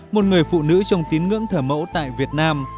một người phụ nữ trong tín ngưỡng thờ mẫu tại việt nam